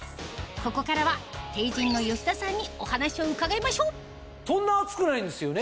ここからはＴＥＩＪＩＮの吉田さんにお話を伺いましょうそんな厚くないんですよね？